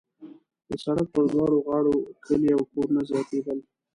د سړک پر دواړو غاړو کلي او کورونه زیاتېدل.